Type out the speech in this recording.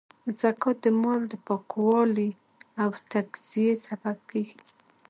زکات د مال د پاکوالې او تذکیې سبب کیږی.